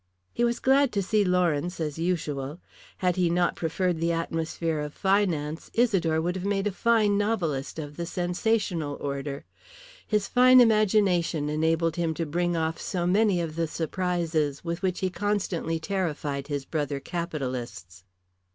He was glad to see Lawrence as usual. Had he not preferred the atmosphere of finance, Isidore would have made a fine novelist of the sensational order. His fine imagination enabled him to bring off so many of the surprises with which he constantly terrified his brother capitalists.